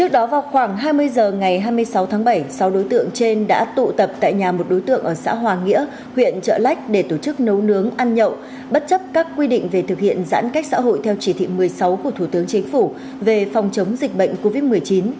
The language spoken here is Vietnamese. trước đó vào khoảng hai mươi h ngày hai mươi sáu tháng bảy sáu đối tượng trên đã tụ tập tại nhà một đối tượng ở xã hòa nghĩa huyện trợ lách để tổ chức nấu nướng ăn nhậu bất chấp các quy định về thực hiện giãn cách xã hội theo chỉ thị một mươi sáu của thủ tướng chính phủ về phòng chống dịch bệnh covid một mươi chín